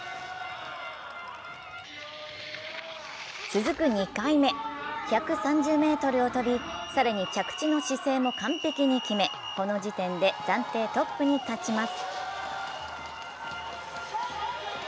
続く２回目、１３０ｍを飛び更に着地の姿勢も完璧に決めこの時点で暫定トップに立ちます。